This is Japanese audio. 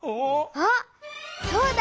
あっそうだ！